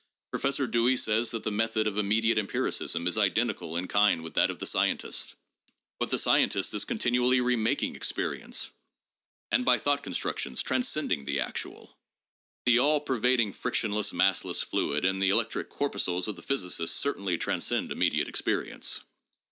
Professor Dewey says that the method of immediate empiricism is identical in kind with that of the scientist. But the scientist is continually remaking experi ences and by thought constructions transcending the actual. The all pervading frictionless, massless fluid and the electric corpuscles of the physicist certainly transcend immediate experience.